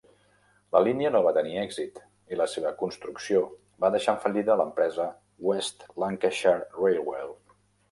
La línia no va tenir èxit i la seva construcció va deixar en fallida l"empresa West Lancashire Railway.